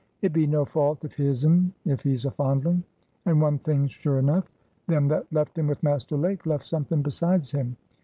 It be no fault of his'n if he's a fondling. And one thing's sure enough. Them that left him with Master Lake left something besides him.